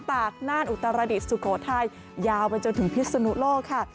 ตากนานอุตราฤทธิสุโกไทยยาวไปจนถึงพิศนุโลกค่ะ